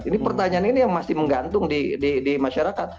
ini pertanyaan ini yang masih menggantung di masyarakat